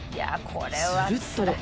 すると。